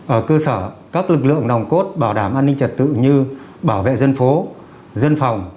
ở cơ sở các lực lượng nòng cốt bảo đảm an ninh trật tự như bảo vệ dân phố dân phòng